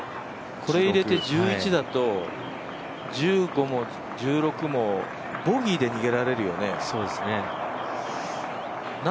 これ入れて１１だと１５も１６もボギーで逃げられるよね。